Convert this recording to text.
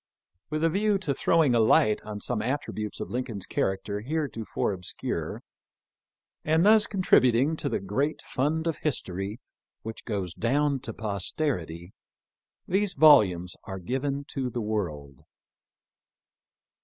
With a view to throwing a light on some attributes of Lincoln's character heretofore obscure, and thus contributing to the great fund of history which goes down to posterity, these volumes are given to the world.